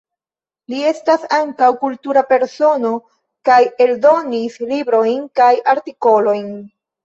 Li estas ankaŭ kultura persono kaj eldonis librojn kaj artikolojn.